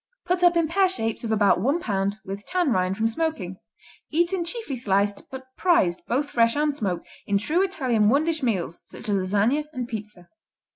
Put up in pear shapes of about one pound, with tan rind, from smoking. Eaten chiefly sliced, but prized, both fresh and smoked, in true Italian one dish meals such as Lasagne and Pizza.